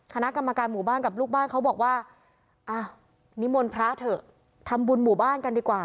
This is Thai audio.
คณะกรรมการหมู่บ้านกับลูกบ้านเขาบอกว่าอ้าวนิมนต์พระเถอะทำบุญหมู่บ้านกันดีกว่า